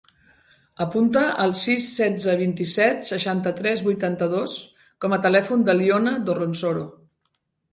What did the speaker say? Apunta el sis, setze, vint-i-set, seixanta-tres, vuitanta-dos com a telèfon de l'Iona Dorronsoro.